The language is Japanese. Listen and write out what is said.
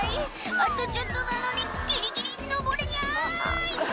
「あとちょっとなのにギリギリ上れニャイ！」